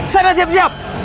saya udah siap siap